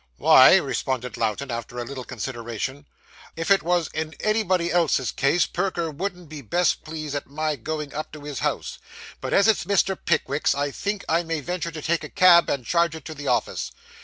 'Why,' responded Lowten, after a little consideration, 'if it was in anybody else's case, Perker wouldn't be best pleased at my going up to his house; but as it's Mr. Pickwick's, I think I may venture to take a cab and charge it to the office.